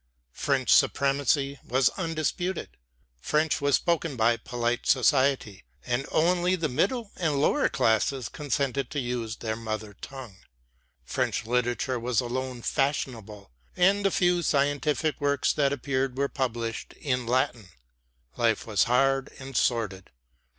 French supremacy was undisputed. French was spoken by polite society, and only the middle and lower classes consented to use their mother tongue. French literature was alone fashionable, and the few scientific works that appeared were published in Latin. Life was hard and sordid.